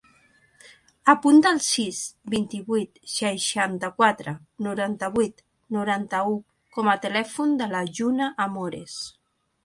Apunta el sis, vint-i-vuit, seixanta-quatre, noranta-vuit, noranta-u com a telèfon de la Juna Amores.